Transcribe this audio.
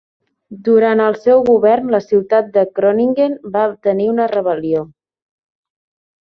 Durant el seu govern, la ciutat de Groningen va tenir una rebel·lió.